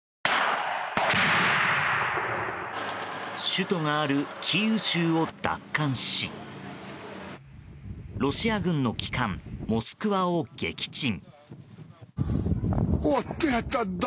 首都があるキーウ州を奪還しロシア軍の旗艦「モスクワ」を撃沈。